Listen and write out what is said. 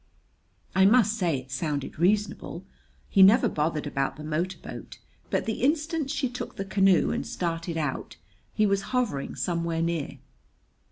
I must say it sounded reasonable. He never bothered about the motor boat, but the instant she took the canoe and started out he was hovering somewhere near.